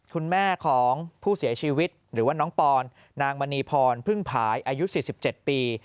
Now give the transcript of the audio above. คุณแม่ของผู้เสียชีวิตหรือว่าน้องปอนนางมณีพรพึ่งผายอายุ๔๗ปี